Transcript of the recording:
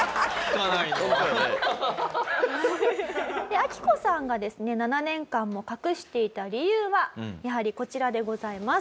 アキコさんがですね７年間も隠していた理由はやはりこちらでございます。